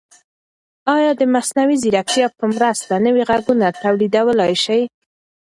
ایا د مصنوعي ځیرکتیا په مرسته نوي غږونه تولیدولای شئ؟